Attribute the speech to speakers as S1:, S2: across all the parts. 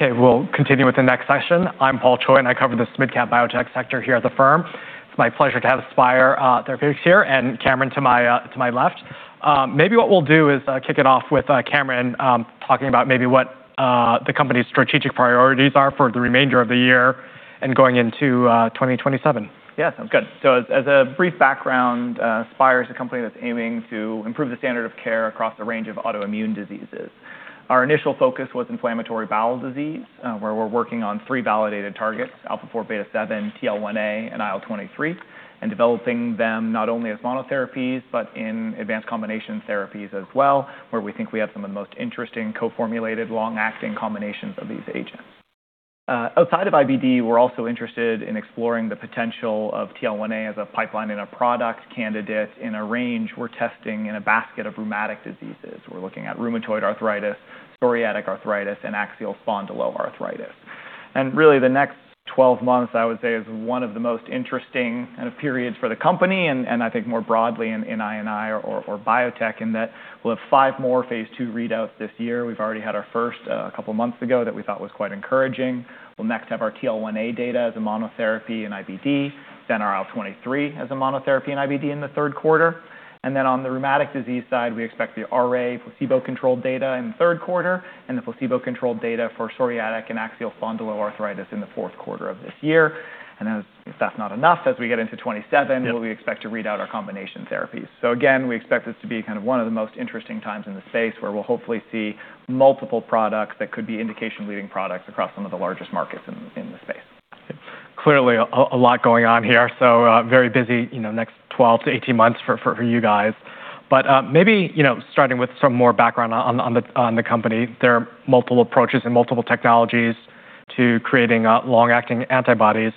S1: We'll continue with the next session. I'm Paul Choi, and I cover this Mid-Cap Biotech sector here at the firm. It's my pleasure to have Spyre Therapeutics here, and Cameron to my left. What we'll do is kick it off with Cameron talking about maybe what the company's strategic priorities are for the remainder of the year and going into 2027.
S2: Sounds good. As a brief background, Spyre is a company that's aiming to improve the standard of care across a range of autoimmune diseases. Our initial focus was inflammatory bowel disease, where we're working on three validated targets, alpha-4 beta-7, TL1A, and IL-23, and developing them not only as monotherapies, but in advanced combination therapies as well, where we think we have some of the most interesting co-formulated long-acting combinations of these agents. Outside of IBD, we're also interested in exploring the potential of TL1A as a pipeline in a product candidate in a range we're testing in a basket of rheumatic diseases. We're looking at rheumatoid arthritis, psoriatic arthritis, and axial spondyloarthritis. Really the next 12 months, I would say, is one of the most interesting periods for the company and I think more broadly in I&I or biotech, in that we'll have five more phase II readouts this year. We've already had our first a couple of months ago that we thought was quite encouraging. We'll next have our TL1A data as a monotherapy in IBD, then our IL-23 as a monotherapy in IBD in the third quarter. Then on the rheumatic disease side, we expect the RA placebo-controlled data in the third quarter and the placebo-controlled data for psoriatic and axial spondyloarthritis in the fourth quarter of this year. As if that's not enough, as we get into 2027, we expect to read out our combination therapies. Again, we expect this to be one of the most interesting times in the space where we'll hopefully see multiple products that could be indication-leading products across some of the largest markets in the space.
S1: Clearly a lot going on here, very busy next 12-18 months for you guys. Maybe starting with some more background on the company, there are multiple approaches and multiple technologies to creating long-acting antibodies.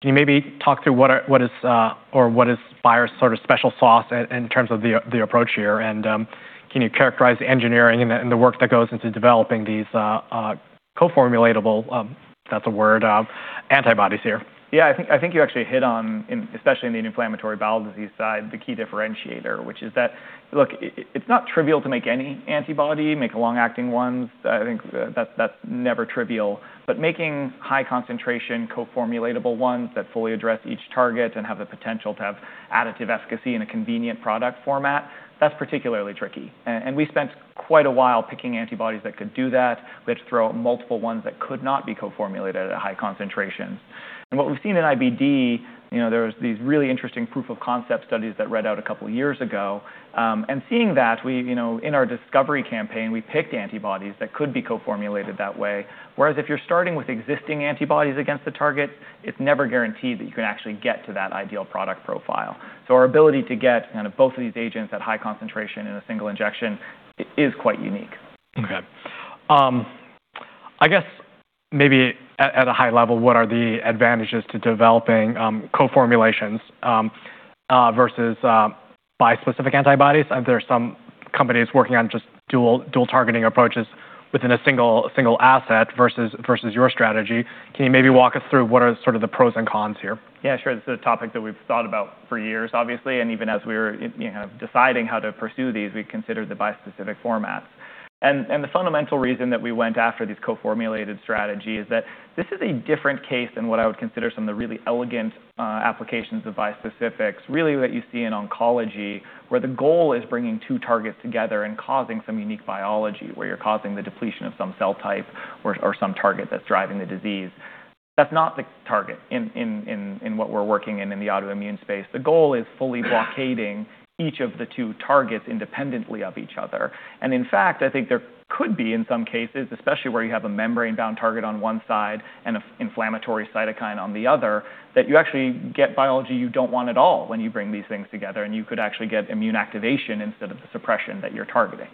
S1: Can you maybe talk through what is Spyre's sort of special sauce in terms of the approach here, and can you characterize the engineering and the work that goes into developing these co-formulatable, if that's a word, antibodies here?
S2: I think you actually hit on, especially in the inflammatory bowel disease side, the key differentiator, which is that, look, it's not trivial to make any antibody, make long-acting ones. I think that's never trivial. Making high concentration co-formulatable ones that fully address each target and have the potential to have additive efficacy in a convenient product format, that's particularly tricky. We spent quite a while picking antibodies that could do that. We had to throw out multiple ones that could not be co-formulated at high concentrations. What we've seen in IBD, there was these really interesting proof of concept studies that read out a couple of years ago. Seeing that, in our discovery campaign, we picked antibodies that could be co-formulated that way. Whereas if you're starting with existing antibodies against the target, it's never guaranteed that you can actually get to that ideal product profile. Our ability to get both of these agents at high concentration in a single injection is quite unique.
S1: I guess maybe at a high level, what are the advantages to developing co-formulations versus bispecific antibodies? There are some companies working on just dual targeting approaches within a single asset versus your strategy. Can you maybe walk us through what are sort of the pros and cons here?
S2: Yeah, sure. It's a topic that we've thought about for years, obviously, and even as we were deciding how to pursue these, we considered the bispecific formats. The fundamental reason that we went after these co-formulated strategy is that this is a different case than what I would consider some of the really elegant applications of bispecifics, really what you see in oncology, where the goal is bringing two targets together and causing some unique biology, where you're causing the depletion of some cell type or some target that's driving the disease. That's not the target in what we're working in in the autoimmune space. The goal is fully blockading each of the two targets independently of each other. In fact, I think there could be, in some cases, especially where you have a membrane-bound target on one side and an inflammatory cytokine on the other, that you actually get biology you don't want at all when you bring these things together, and you could actually get immune activation instead of the suppression that you're targeting.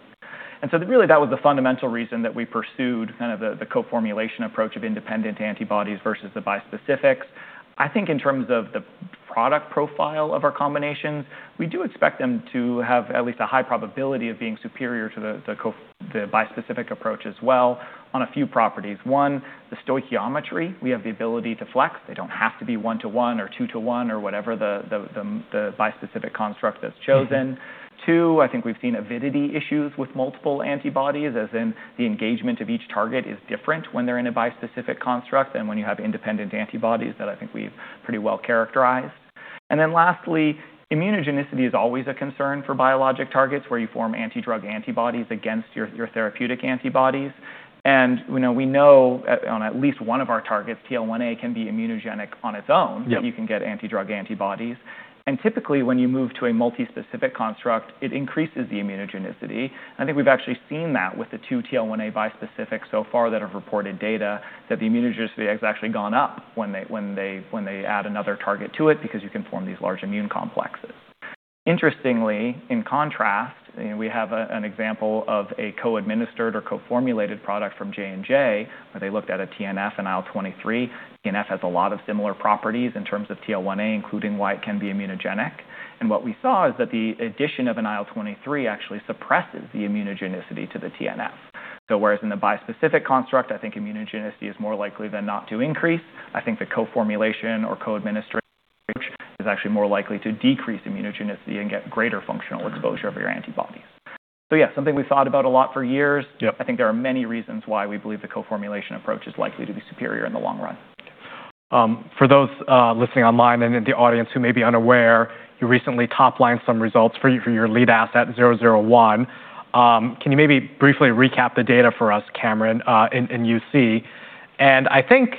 S2: Really, that was the fundamental reason that we pursued the co-formulation approach of independent antibodies versus the bispecifics. I think in terms of the product profile of our combinations, we do expect them to have at least a high probability of being superior to the bispecific approach as well on a few properties. One, the stoichiometry, we have the ability to flex. They don't have to be one to one or two to one or whatever the bispecific construct that's chosen. Two, I think we've seen avidity issues with multiple antibodies, as in the engagement of each target is different when they're in a bispecific construct than when you have independent antibodies that I think we've pretty well characterized. Lastly, immunogenicity is always a concern for biologic targets where you form anti-drug antibodies against your therapeutic antibodies. We know on at least one of our targets, TL1A can be immunogenic on its own.
S1: Yep.
S2: You can get anti-drug antibodies. Typically, when you move to a multi-specific construct, it increases the immunogenicity. I think we've actually seen that with the two TL1A bispecifics so far that have reported data that the immunogenicity has actually gone up when they add another target to it because you can form these large immune complexes. Interestingly, in contrast, we have an example of a co-administered or co-formulated product from J&J, where they looked at a TNF and IL-23. TNF has a lot of similar properties in terms of TL1A, including why it can be immunogenic. What we saw is that the addition of an IL-23 actually suppresses the immunogenicity to the TNF. Whereas in the bispecific construct, I think immunogenicity is more likely than not to increase, I think the co-formulation or co-administration approach is actually more likely to decrease immunogenicity and get greater functional exposure of your antibody. Yeah, something we've thought about a lot for years.
S1: Yep.
S2: I think there are many reasons why we believe the co-formulation approach is likely to be superior in the long run.
S1: For those listening online and in the audience who may be unaware, you recently top-lined some results for your lead asset, 001. Can you maybe briefly recap the data for us, Cameron, in UC? I think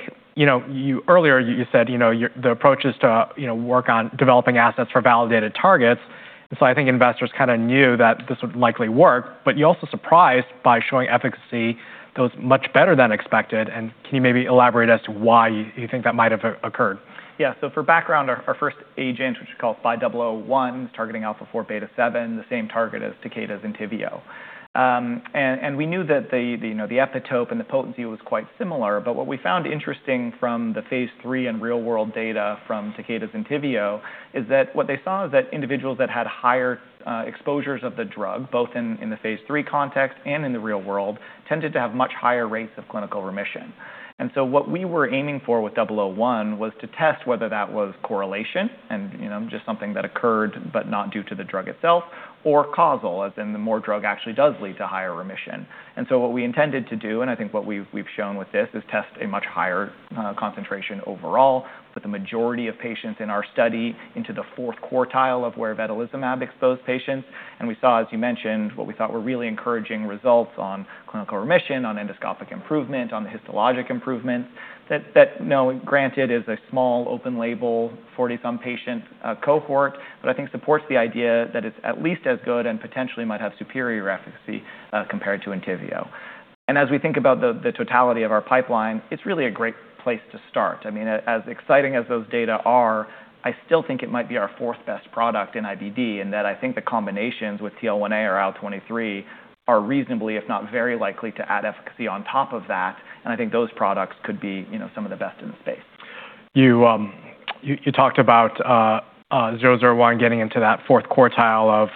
S1: earlier you said the approach is to work on developing assets for validated targets, I think investors knew that this would likely work, but you're also surprised by showing efficacy that was much better than expected, can you maybe elaborate as to why you think that might have occurred?
S2: Yeah. For background, our first agent, which is called SPY001, is targeting alpha-4 beta-7, the same target as Takeda's ENTYVIO. We knew that the epitope and the potency was quite similar, but what we found interesting from the phase III and real-world data from Takeda's ENTYVIO is that what they saw is that individuals that had higher exposures of the drug, both in the phase III context and in the real world, tended to have much higher rates of clinical remission. What we were aiming for with 001 was to test whether that was correlation and just something that occurred, but not due to the drug itself, or causal, as in the more drug actually does lead to higher remission. What we intended to do, and I think what we've shown with this, is test a much higher concentration overall, put the majority of patients in our study into the fourth quartile of where vedolizumab exposed patients, and we saw, as you mentioned, what we thought were really encouraging results on clinical remission, on endoscopic improvement, on the histologic improvements that, granted, is a small open label, 40-some patient cohort, but I think supports the idea that it's at least as good and potentially might have superior efficacy compared to ENTYVIO. As we think about the totality of our pipeline, it's really a great place to start. As exciting as those data are, I still think it might be our fourth-best product in IBD in that I think the combinations with TL1A or IL-23 are reasonably, if not very, likely to add efficacy on top of that, and I think those products could be some of the best in the space.
S1: You talked about 001 getting into that fourth quartile of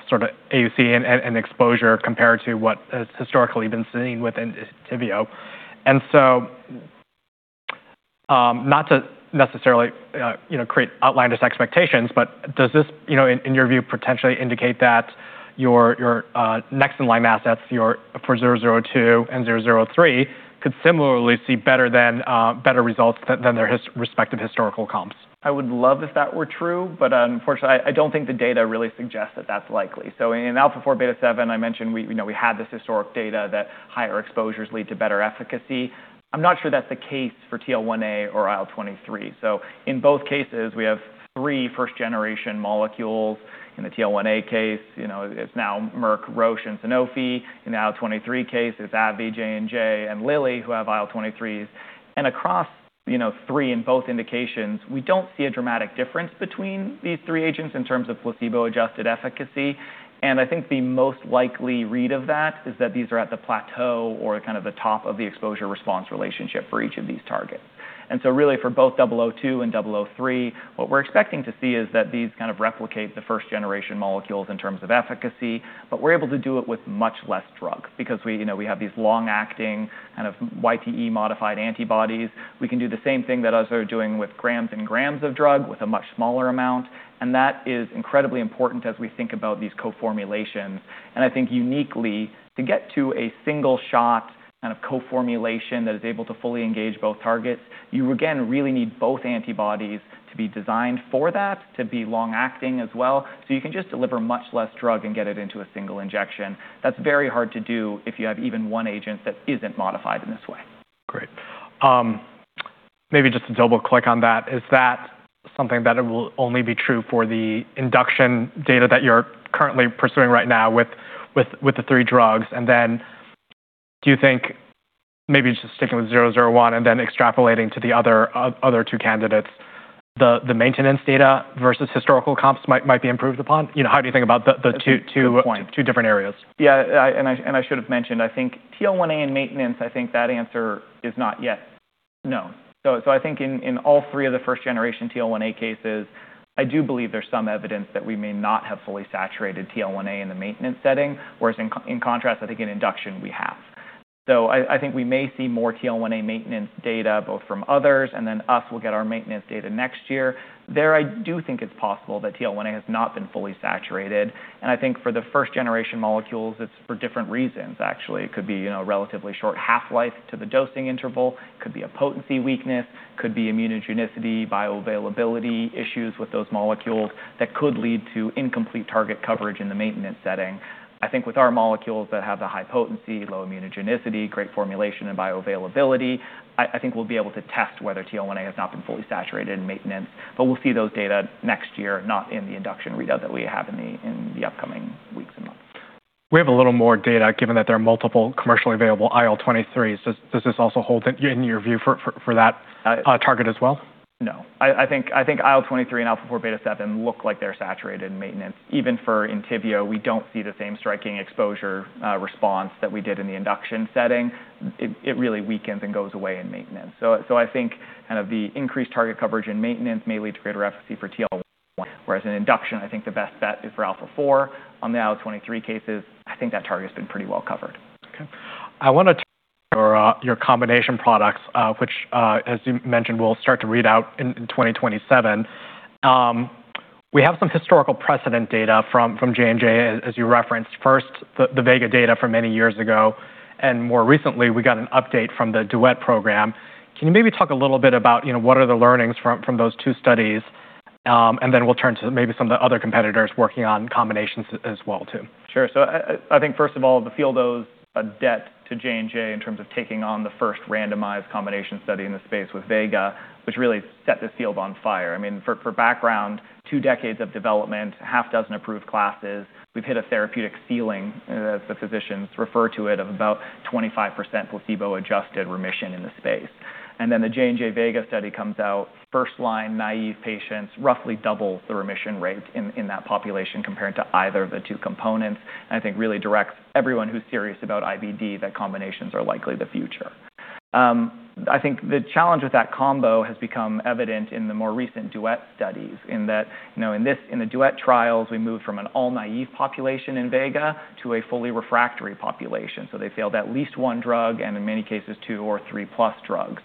S1: AUC and exposure compared to what has historically been seen with ENTYVIO. Not to necessarily create outlandish expectations, but does this, in your view, potentially indicate that your next in-line assets for 002 and 003 could similarly see better results than their respective historical comps?
S2: I would love if that were true, unfortunately, I don't think the data really suggest that that's likely. In alpha-4 beta-7, I mentioned we had this historic data that higher exposures lead to better efficacy. I'm not sure that's the case for TL1A or IL-23. In both cases, we have three first-generation molecules. In the TL1A case it's now Merck, Roche, and Sanofi. In the IL-23 case, it's AbbVie, J&J, and Lilly who have IL-23s. Across three in both indications, we don't see a dramatic difference between these three agents in terms of placebo-adjusted efficacy, and I think the most likely read of that is that these are at the plateau or the top of the exposure-response relationship for each of these targets. For both 002 and 003, what we're expecting to see is that these replicate the first-generation molecules in terms of efficacy, but we're able to do it with much less drug because we have these long-acting, YTE-modified antibodies. We can do the same thing that others are doing with grams and grams of drug with a much smaller amount, and that is incredibly important as we think about these co-formulations. I think uniquely, to get to a single-shot co-formulation that is able to fully engage both targets, you again really need both antibodies to be designed for that, to be long-acting as well, so you can just deliver much less drug and get it into a single injection. That's very hard to do if you have even one agent that isn't modified in this way.
S1: Great. Maybe just to double-click on that, is that something that will only be true for the induction data that you're currently pursuing right now with the three drugs? Then do you think, maybe just sticking with 001 and then extrapolating to the other two candidates, the maintenance data versus historical comps might be improved upon? How do you think about the two-
S2: Good point
S1: two different areas?
S2: Yeah, I should have mentioned, I think TL1A and maintenance, I think that answer is not yet, no. I think in all three of the first-generation TL1A cases, I do believe there's some evidence that we may not have fully saturated TL1A in the maintenance setting, whereas in contrast, I think in induction we have. I think we may see more TL1A maintenance data both from others and then us, we'll get our maintenance data next year. There, I do think it's possible that TL1A has not been fully saturated, and I think for the first-generation molecules, it's for different reasons, actually. It could be a relatively short half-life to the dosing interval, could be a potency weakness, could be immunogenicity, bioavailability issues with those molecules that could lead to incomplete target coverage in the maintenance setting. I think with our molecules that have the high potency, low immunogenicity, great formulation, and bioavailability, I think we'll be able to test whether TL1A has not been fully saturated in maintenance, but we'll see those data next year, not in the induction readout that we have in the upcoming weeks and months.
S1: We have a little more data given that there are multiple commercially available IL-23s. Does this also hold in your view for that target as well?
S2: No. I think IL-23 and alpha-4 beta-7 look like they're saturated in maintenance. Even for ENTYVIO, we don't see the same striking exposure response that we did in the induction setting. It really weakens and goes away in maintenance. I think the increased target coverage in maintenance may lead to greater efficacy for TL1A, whereas in induction, I think the best bet is for alpha-4. On the IL-23 cases, I think that target's been pretty well covered.
S1: Your combination products, which as you mentioned, will start to read out in 2027. We have some historical precedent data from J&J, as you referenced. First, the VEGA data from many years ago, and more recently, we got an update from the DUET program. Can you maybe talk a little bit about what are the learnings from those two studies? Then we'll turn to maybe some of the other competitors working on combinations as well too.
S2: Sure. I think first of all, the field owes a debt to J&J in terms of taking on the first randomized combination study in the space with VEGA, which really set this field on fire. For background, two decades of development, half dozen approved classes. We've hit a therapeutic ceiling, as the physicians refer to it, of about 25% placebo-adjusted remission in the space. Then the J&J VEGA study comes out, first-line naive patients, roughly double the remission rate in that population compared to either of the two components, and I think really directs everyone who's serious about IBD that combinations are likely the future. I think the challenge with that combo has become evident in the more recent DUET studies, in that in the DUET trials, we moved from an all naive population in VEGA to a fully refractory population, so they failed at least one drug, and in many cases, two or three plus drugs.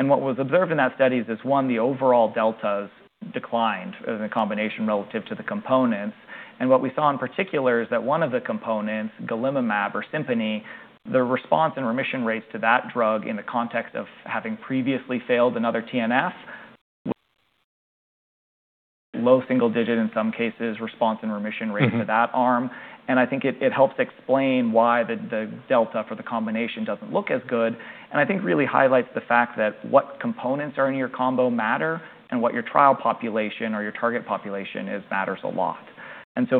S2: What was observed in that study is that one, the overall deltas declined as a combination relative to the components. What we saw in particular is that one of the components, golimumab or Simponi, the response and remission rates to that drug in the context of having previously failed another TNF, low single digit in some cases, response and remission rate for that arm. I think it helps explain why the delta for the combination doesn't look as good, and I think really highlights the fact that what components are in your combo matter and what your trial population or your target population is matters a lot.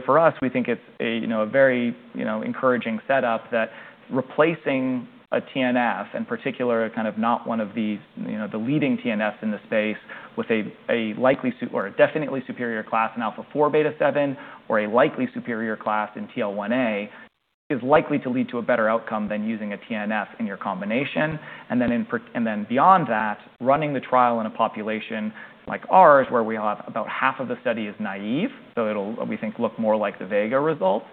S2: For us, we think it's a very encouraging setup that replacing a TNF, in particular, not one of the leading TNFs in the space with a definitely superior class in alpha-4 beta-7, or a likely superior class in TL1A, is likely to lead to a better outcome than using a TNF in your combination. Then beyond that, running the trial in a population like ours, where we have about half of the study is naive, so it'll, we think, look more like the VEGA results.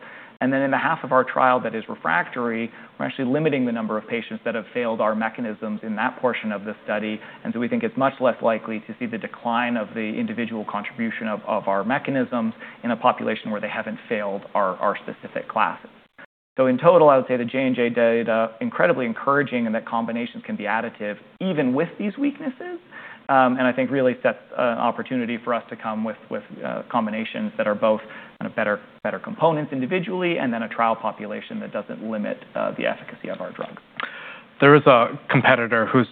S2: In the half of our trial that is refractory, we're actually limiting the number of patients that have failed our mechanisms in that portion of the study, and so we think it's much less likely to see the decline of the individual contribution of our mechanisms in a population where they haven't failed our specific classes. In total, I would say the J&J data, incredibly encouraging in that combinations can be additive even with these weaknesses. I think really sets an opportunity for us to come with combinations that are both better components individually, and then a trial population that doesn't limit the efficacy of our drugs.
S1: There is a competitor who's,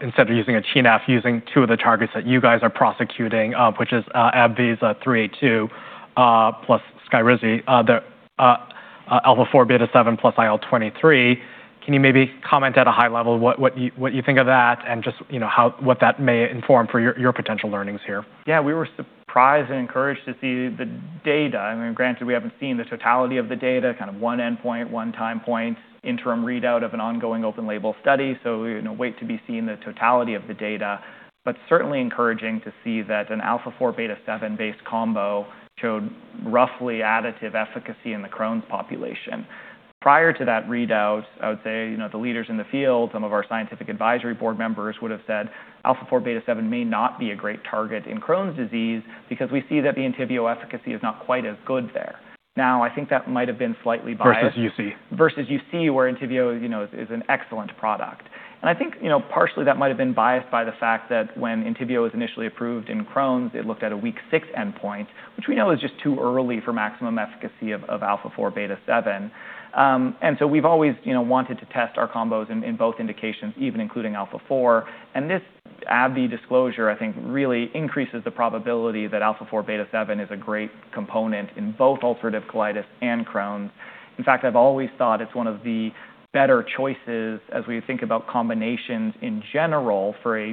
S1: instead of using a TNF, using two of the targets that you guys are prosecuting, which is AbbVie's 382 plus SKYRIZI, the alpha-4 beta-7 plus IL-23. Can you maybe comment at a high level what you think of that and just what that may inform for your potential learnings here?
S2: We were surprised and encouraged to see the data. Granted, we haven't seen the totality of the data, one endpoint, one time point, interim readout of an ongoing open label study, so we wait to be seen the totality of the data. Certainly encouraging to see that an alpha-4 beta-7 based combo showed roughly additive efficacy in the Crohn's population. Prior to that readout, I would say, the leaders in the field, some of our scientific advisory Board Members would have said alpha-4 beta-7 may not be a great target in Crohn's disease because we see that the ENTYVIO efficacy is not quite as good there. Now, I think that might have been slightly biased-
S1: versus UC
S2: versus UC, where ENTYVIO is an excellent product. I think partially that might have been biased by the fact that when ENTYVIO was initially approved in Crohn's, it looked at a week six endpoint, which we know is just too early for maximum efficacy of alpha-4 beta-7. So we've always wanted to test our combos in both indications, even including alpha-4. This AbbVie disclosure, I think, really increases the probability that alpha-4 beta-7 is a great component in both ulcerative colitis and Crohn's. In fact, I've always thought it's one of the better choices as we think about combinations in general for a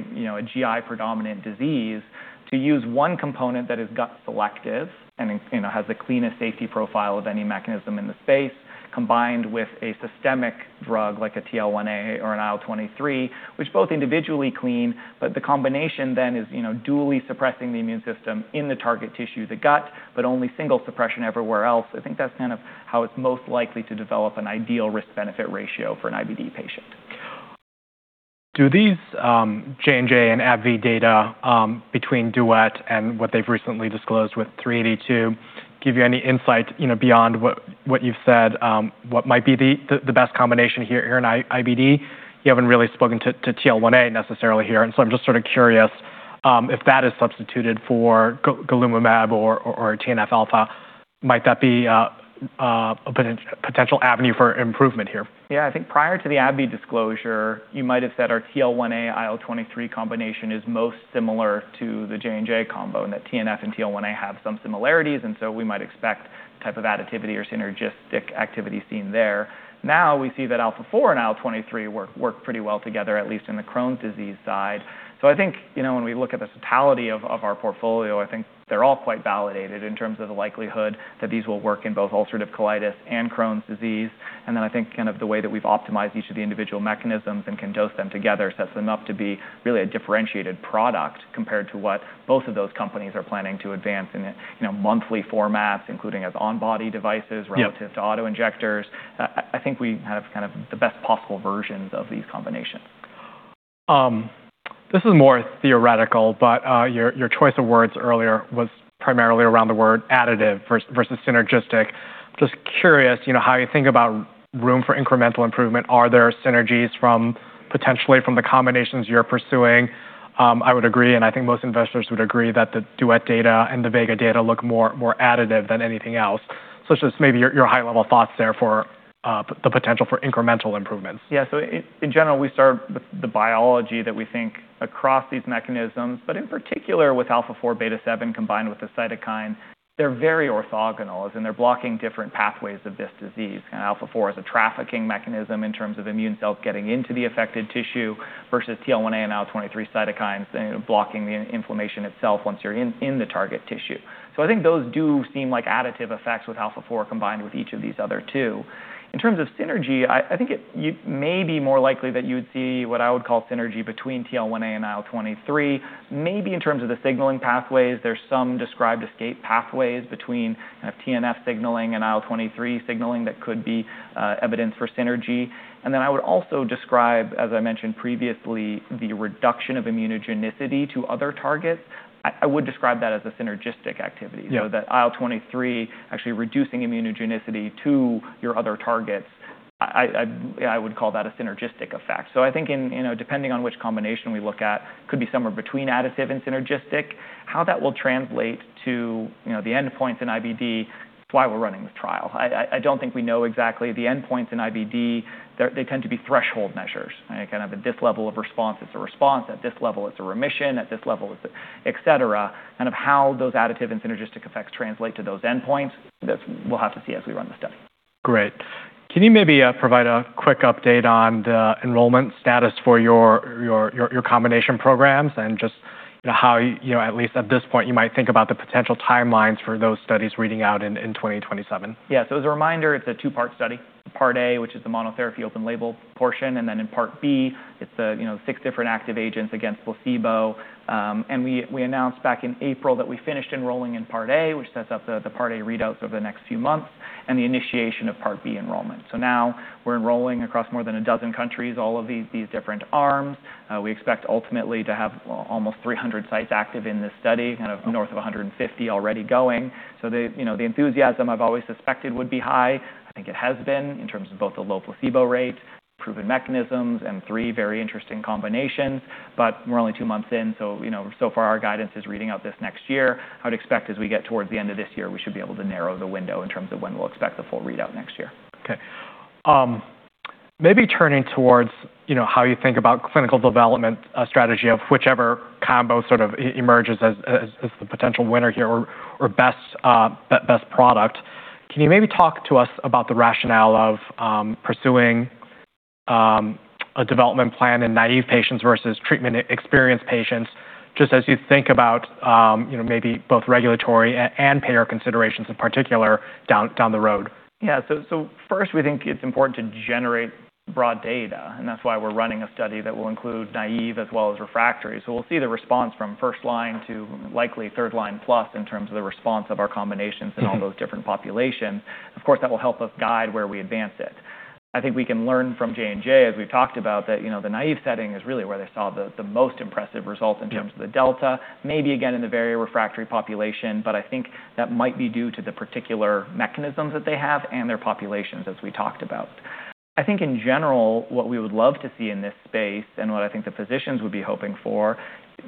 S2: GI-predominant disease to use one component that is gut selective and has the cleanest safety profile of any mechanism in the space, combined with a systemic drug like a TL1A or an IL-23, which both individually clean, but the combination then is dually suppressing the immune system in the target tissue, the gut, but only single suppression everywhere else. I think that's how it's most likely to develop an ideal risk-benefit ratio for an IBD patient.
S1: Do these J&J and AbbVie data between DUET and what they've recently disclosed with 382 give you any insight beyond what you've said might be the best combination here in IBD? You haven't really spoken to TL1A necessarily here, so I'm just sort of curious if that is substituted for golimumab or TNF alpha, might that be a potential avenue for improvement here?
S2: Yeah, I think prior to the AbbVie disclosure, you might have said our TL1A IL-23 combination is most similar to the J&J combo, that TNF and TL1A have some similarities, so we might expect the type of additivity or synergistic activity seen there. Now, we see that alpha-4 and IL-23 work pretty well together, at least in the Crohn's disease side. I think when we look at the totality of our portfolio, I think they're all quite validated in terms of the likelihood that these will work in both ulcerative colitis and Crohn's disease. I think the way that we've optimized each of the individual mechanisms and can dose them together sets them up to be really a differentiated product compared to what both of those companies are planning to advance in monthly formats, including as on-body devices.
S1: Yeah
S2: relative to auto-injectors. I think we have the best possible versions of these combinations.
S1: This is more theoretical, your choice of words earlier was primarily around the word additive versus synergistic. Just curious, how you think about room for incremental improvement. Are there synergies potentially from the combinations you're pursuing? I would agree, I think most investors would agree that the DUET data and the VEGA data look more additive than anything else. It's just maybe your high-level thoughts there for the potential for incremental improvements.
S2: Yeah. In general, we start with the biology that we think across these mechanisms, in particular with alpha-4 beta-7 combined with the cytokine. They're very orthogonal, as in they're blocking different pathways of this disease. Alpha-4 is a trafficking mechanism in terms of immune cells getting into the affected tissue versus TL1A and IL-23 cytokines blocking the inflammation itself once you're in the target tissue. I think those do seem like additive effects with alpha-4 combined with each of these other two. In terms of synergy, I think it may be more likely that you would see what I would call synergy between TL1A and IL-23. Maybe in terms of the signaling pathways, there's some described escape pathways between TNF signaling and IL-23 signaling that could be evidence for synergy. I would also describe, as I mentioned previously, the reduction of immunogenicity to other targets. I would describe that as a synergistic activity.
S1: Yeah.
S2: That IL-23 actually reducing immunogenicity to your other targets, I would call that a synergistic effect. I think depending on which combination we look at, could be somewhere between additive and synergistic. How that will translate to the endpoints in IBD is why we're running this trial. I don't think we know exactly the endpoints in IBD. They tend to be threshold measures. At this level of response, it's a response, at this level it's a remission, at this level, et cetera. How those additive and synergistic effects translate to those endpoints, we'll have to see as we run the study.
S1: Great. Can you maybe provide a quick update on the enrollment status for your combination programs and just how, at least at this point, you might think about the potential timelines for those studies reading out in 2027?
S2: Yeah. As a reminder, it's a two-part study. Part A, which is the monotherapy open label portion, and then in Part B, it's the six different active agents against placebo. We announced back in April that we finished enrolling in Part A, which sets up the Part A readouts over the next few months, and the initiation of Part B enrollment. Now we're enrolling across more than a dozen countries, all of these different arms. We expect ultimately to have almost 300 sites active in this study, north of 150 already going. The enthusiasm I've always suspected would be high. I think it has been in terms of both the low placebo rate, proven mechanisms, and three very interesting combinations. We're only two months in, so far our guidance is reading out this next year. I would expect as we get towards the end of this year, we should be able to narrow the window in terms of when we'll expect the full readout next year.
S1: Okay. Maybe turning towards how you think about clinical development strategy of whichever combo sort of emerges as the potential winner here or best product. Can you maybe talk to us about the rationale of pursuing a development plan in naive patients versus treatment-experienced patients, just as you think about maybe both regulatory and payer considerations, in particular, down the road?
S2: Yeah. First, we think it's important to generate broad data, and that's why we're running a study that will include naive as well as refractory. We'll see the response from first-line to likely third-line plus in terms of the response of our combinations in all those different populations. Of course, that will help us guide where we advance it. I think we can learn from J&J, as we've talked about, that the naive setting is really where they saw the most impressive results in terms of the delta, maybe again in the very refractory population, but I think that might be due to the particular mechanisms that they have and their populations, as we talked about. I think in general, what we would love to see in this space and what I think the physicians would be hoping for,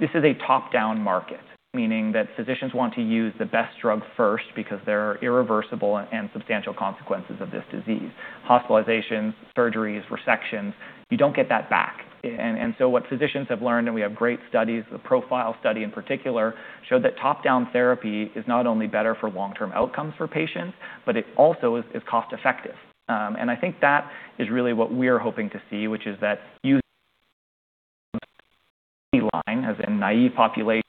S2: this is a top-down market, meaning that physicians want to use the best drug first because there are irreversible and substantial consequences of this disease. Hospitalizations, surgeries, resections, you don't get that back. What physicians have learned, and we have great studies, the PROFILE study in particular, showed that top-down therapy is not only better for long-term outcomes for patients, but it also is cost-effective. I think that is really what we are hoping to see, which is that use line as a naive population.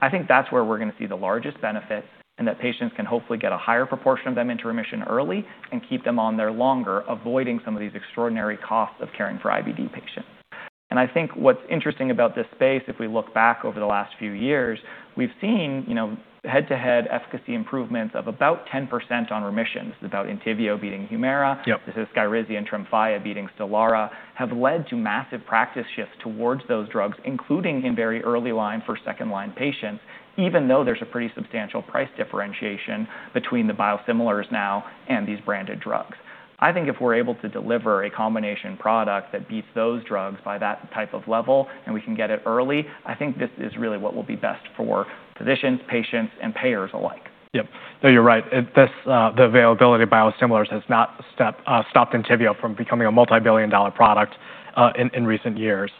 S2: I think that's where we're going to see the largest benefit, and that patients can hopefully get a higher proportion of them into remission early and keep them on there longer, avoiding some of these extraordinary costs of caring for IBD patients. I think what's interesting about this space, if we look back over the last few years, we've seen head-to-head efficacy improvements of about 10% on remissions. This is about ENTYVIO beating HUMIRA.
S1: Yep.
S2: This is SKYRIZI and TREMFYA beating STELARA, have led to massive practice shifts towards those drugs, including in very early-line for second-line patients, even though there's a pretty substantial price differentiation between the biosimilars now and these branded drugs. I think if we're able to deliver a combination product that beats those drugs by that type of level and we can get it early, I think this is really what will be best for physicians, patients, and payers alike.
S1: Yep. No, you're right. The availability of biosimilars has not stopped ENTYVIO from becoming a multi-billion dollar product in recent years.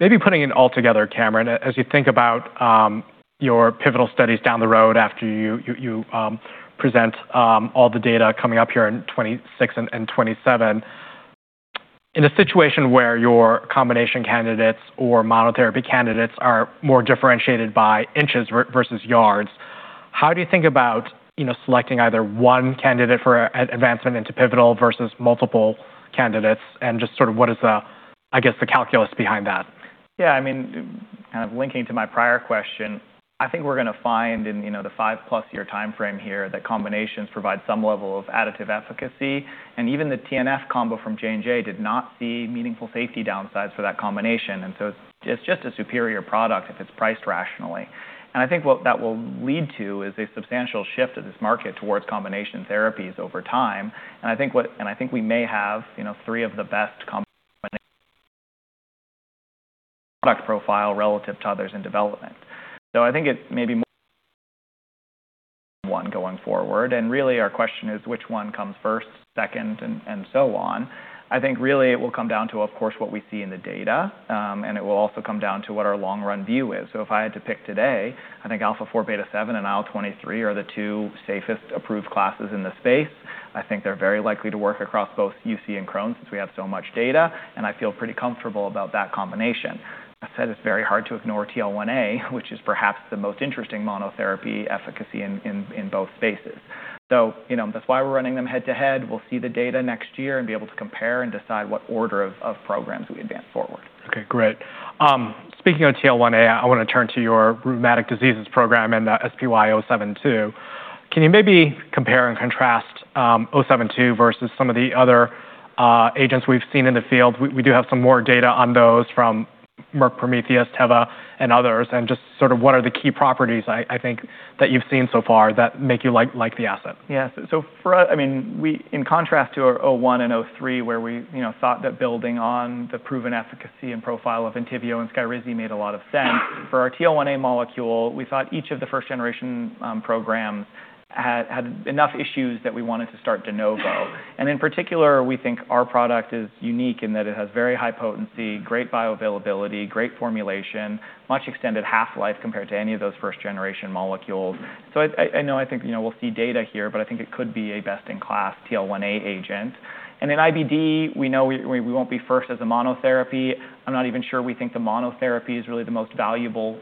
S1: Maybe putting it all together, Cameron, as you think about your pivotal studies down the road after you present all the data coming up here in 2026 and 2027. In a situation where your combination candidates or monotherapy candidates are more differentiated by inches versus yards, how do you think about selecting either one candidate for advancement into pivotal versus multiple candidates and just sort of what is the, I guess, the calculus behind that?
S2: Linking to my prior question, I think we're going to find in the 5-plus year timeframe here that combinations provide some level of additive efficacy. Even the TNF combo from J&J did not see meaningful safety downsides for that combination. It's just a superior product if it's priced rationally. I think what that will lead to is a substantial shift of this market towards combination therapies over time. I think we may have three of the best combinations product profile relative to others in development. I think it may be more one going forward. Really our question is which one comes first, second, and so on. I think really it will come down to, of course, what we see in the data, and it will also come down to what our long-run view is. If I had to pick today, I think alpha-4, beta-7, and IL-23 are the two safest approved classes in the space. I think they're very likely to work across both UC and Crohn's, since we have so much data, and I feel pretty comfortable about that combination. That said, it's very hard to ignore TL1A, which is perhaps the most interesting monotherapy efficacy in both spaces. That's why we're running them head-to-head. We'll see the data next year and be able to compare and decide what order of programs we advance forward.
S1: Okay, great. Speaking of TL1A, I want to turn to your rheumatic diseases program and the SPY072. Can you maybe compare and contrast 072 versus some of the other agents we've seen in the field? We do have some more data on those from Merck, Prometheus, Teva, and others, just sort of what are the key properties, I think, that you've seen so far that make you like the asset?
S2: Yeah. For us, in contrast to our 001 and 003, where we thought that building on the proven efficacy and profile of ENTYVIO and SKYRIZI made a lot of sense. For our TL1A molecule, we thought each of the first-generation programs had enough issues that we wanted to start de novo. In particular, we think our product is unique in that it has very high potency, great bioavailability, great formulation, much extended half-life compared to any of those first-generation molecules. I know, I think, we'll see data here, but I think it could be a best-in-class TL1A agent. In IBD, we know we won't be first as a monotherapy. I'm not even sure we think the monotherapy is really the most valuable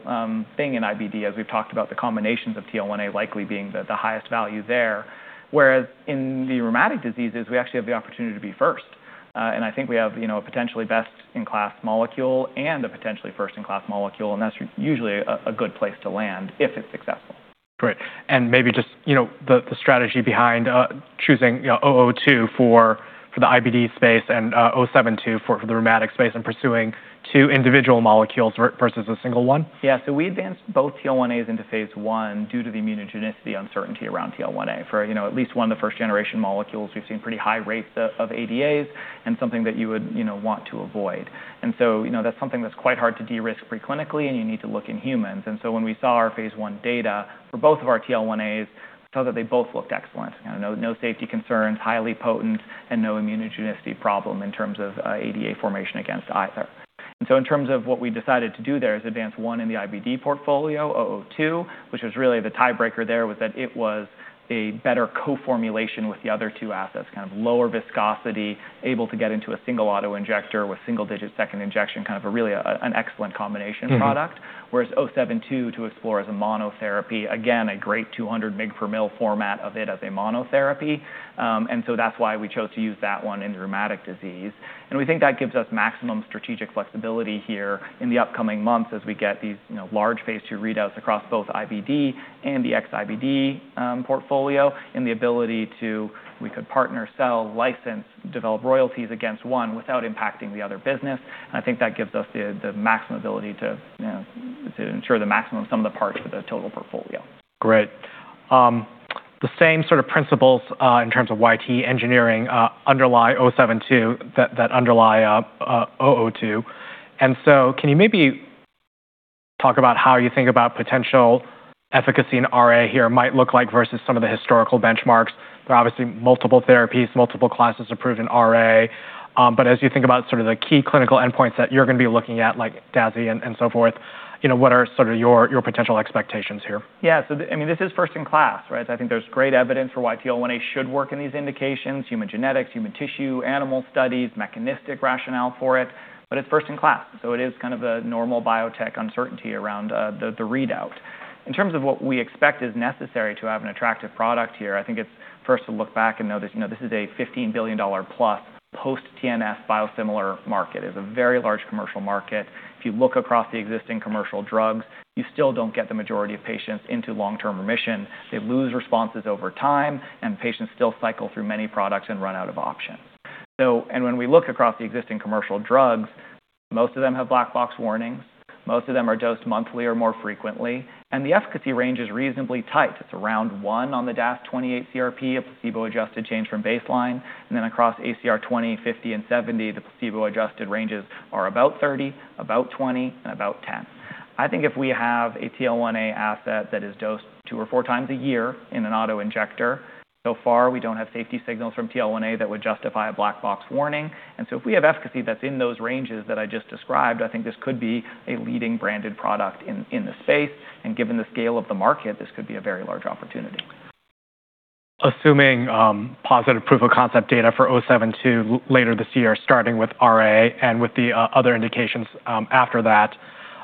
S2: thing in IBD, as we've talked about the combinations of TL1A likely being the highest value there. Whereas in the rheumatic diseases, we actually have the opportunity to be first. I think we have a potentially best-in-class molecule and a potentially first-in-class molecule, that's usually a good place to land if it's successful.
S1: Great. Maybe just the strategy behind choosing 002 for the IBD space and 072 for the rheumatic space pursuing two individual molecules versus a single one.
S2: Yeah. We advanced both TL1As into phase I due to the immunogenicity uncertainty around TL1A. For at least one of the first-generation molecules, we've seen pretty high rates of ADAs, something that you would want to avoid. That's something that's quite hard to de-risk pre-clinically, and you need to look in humans. When we saw our phase I data for both of our TL1As, we saw that they both looked excellent. No safety concerns, highly potent, and no immunogenicity problem in terms of ADA formation against either. In terms of what we decided to do there is advance one in the IBD portfolio, 002, which was really the tiebreaker there was that it was a better co-formulation with the other two assets. Kind of lower viscosity, able to get into a single auto-injector with single-digit second injection, really an excellent combination product. Whereas 072 to explore as a monotherapy, again, a great 200 mg/mL format of it as a monotherapy. That's why we chose to use that one in rheumatic disease. We think that gives us maximum strategic flexibility here in the upcoming months as we get these large phase II readouts across both IBD and the ex-IBD portfolio and the ability to, we could partner, sell, license, develop royalties against one without impacting the other business. I think that gives us the maximum ability to ensure the maximum sum of the parts for the total portfolio.
S1: Great. The same sort of principles, in terms of YTE engineering, underlie 072 that underlie 002. Can you maybe talk about how you think about potential efficacy in RA here might look like versus some of the historical benchmarks? There are obviously multiple therapies, multiple classes approved in RA. As you think about sort of the key clinical endpoints that you're going to be looking at, like DAS and so forth, what are sort of your potential expectations here?
S2: Yeah. This is first-in-class, right? I think there's great evidence for why TL1A should work in these indications, human genetics, human tissue, animal studies, mechanistic rationale for it's first in class, it is kind of a normal biotech uncertainty around the readout. In terms of what we expect is necessary to have an attractive product here, I think it's first to look back and notice this is a $15 billion+ post-TNF biosimilar market. It is a very large commercial market. If you look across the existing commercial drugs, you still don't get the majority of patients into long-term remission. They lose responses over time, and patients still cycle through many products and run out of options. When we look across the existing commercial drugs, most of them have black box warnings. Most of them are dosed monthly or more frequently. The efficacy range is reasonably tight. It's around one on the DAS28-CRP, a placebo-adjusted change from baseline. Across ACR20, 50, and 70, the placebo-adjusted ranges are about 30, about 20, and about 10. I think if we have a TL1A asset that is dosed two or four times a year in an auto-injector, so far, we don't have safety signals from TL1A that would justify a black box warning. If we have efficacy that's in those ranges that I just described, I think this could be a leading branded product in the space. Given the scale of the market, this could be a very large opportunity.
S1: Assuming positive proof-of-concept data for 072 later this year, starting with RA and with the other indications after that.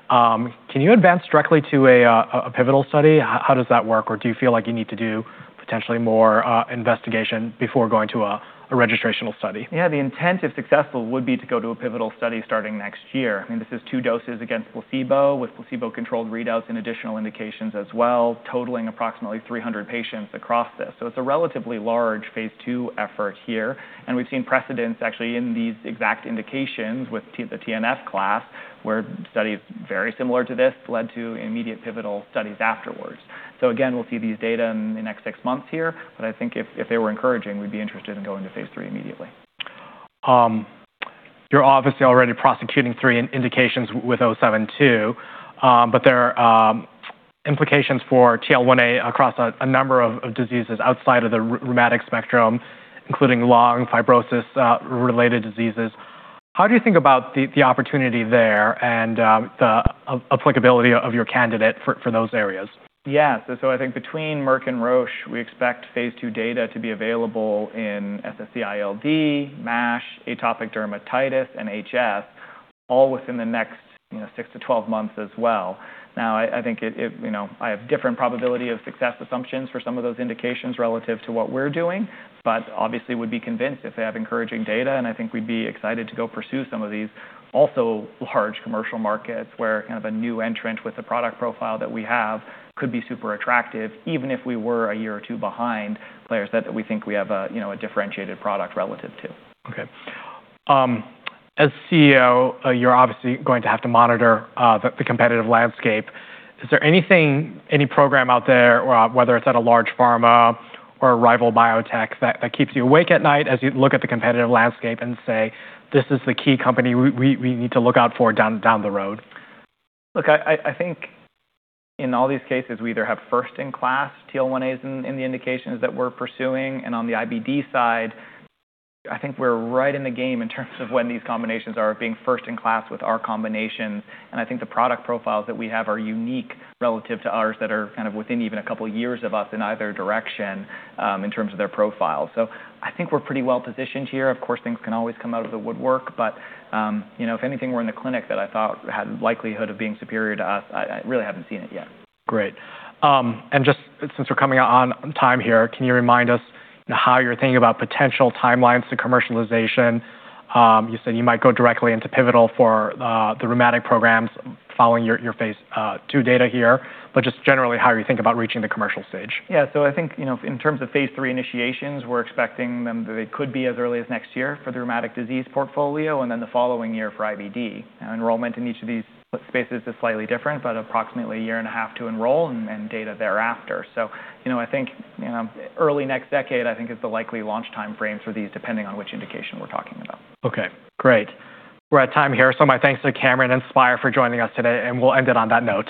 S1: Can you advance directly to a pivotal study? How does that work? Do you feel like you need to do potentially more investigation before going to a registrational study?
S2: The intent, if successful, would be to go to a pivotal study starting next year. This is two doses against placebo with placebo-controlled readouts and additional indications as well, totaling approximately 300 patients across this. It's a relatively large phase II effort here, and we've seen precedents actually in these exact indications with the TNF class, where studies very similar to this led to immediate pivotal studies afterwards. Again, we'll see these data in the next six months here, but I think if they were encouraging, we'd be interested in going to phase III immediately.
S1: You're obviously already prosecuting three indications with 072, there are implications for TL1A across a number of diseases outside of the rheumatic spectrum, including lung fibrosis-related diseases. How do you think about the opportunity there and the applicability of your candidate for those areas?
S2: Yeah. I think between Merck and Roche, we expect phase II data to be available in SSc-ILD, MASH, atopic dermatitis, and HS, all within the next 6 to 12 months as well. Now, I think I have different probability of success assumptions for some of those indications relative to what we're doing, but obviously would be convinced if they have encouraging data, and I think we'd be excited to go pursue some of these also large commercial markets where a new entrant with the product profile that we have could be super attractive, even if we were a year or two behind players that we think we have a differentiated product relative to.
S1: Okay. As CEO, you're obviously going to have to monitor the competitive landscape. Is there anything, any program out there, whether it's at a large pharma or a rival biotech, that keeps you awake at night as you look at the competitive landscape and say, this is the key company we need to look out for down the road?
S2: Look, I think in all these cases, we either have first-in-class TL1As in the indications that we're pursuing, and on the IBD side, I think we're right in the game in terms of when these combinations are being first in class with our combinations. I think the product profiles that we have are unique relative to ours that are within even a couple years of us in either direction in terms of their profile. I think we're pretty well-positioned here. Of course, things can always come out of the woodwork, but if anything were in the clinic that I thought had likelihood of being superior to us, I really haven't seen it yet.
S1: Great. Just since we're coming on time here, can you remind us how you're thinking about potential timelines to commercialization? You said you might go directly into pivotal for the rheumatic programs following your phase II data here, but just generally how you think about reaching the commercial stage.
S2: I think in terms of phase III initiations, we're expecting them that it could be as early as next year for the rheumatic disease portfolio, and then the following year for IBD. Enrollment in each of these spaces is slightly different, but approximately a year and a half to enroll and data thereafter. I think early next decade, I think, is the likely launch timeframe for these, depending on which indication we're talking about.
S1: Okay, great. We're at time here, my thanks to Cameron and Spyre for joining us today, and we'll end it on that note.